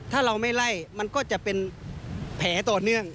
ถ้าเราไม่ไล่มันก็จะเป็นแผลต่อเนื่อง